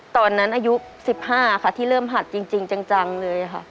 ตอนนั้นอายุ๑๕ค่ะที่เริ่มหัดจริงจังเลยค่ะ